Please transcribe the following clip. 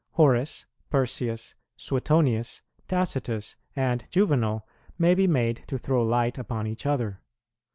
Horace, Persius, Suetonius, Tacitus, and Juvenal may be made to throw light upon each other.